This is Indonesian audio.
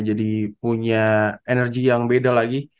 jadi punya energi yang beda lagi